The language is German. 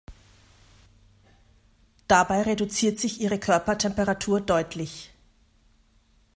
Dabei reduziert sich ihre Körpertemperatur deutlich.